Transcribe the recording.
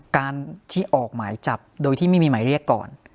การที่ออกหมายจับโดยที่ไม่มีหมายเรียกก่อน